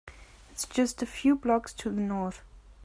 It’s just a few blocks to the North.